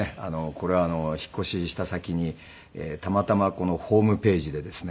これは引っ越しした先にたまたまホームページでですね